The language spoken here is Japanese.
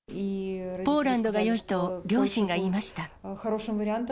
ポーランドがよいと両親が言いました。